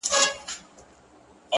ماسومان زموږ وېريږي ورځ تېرېږي ـ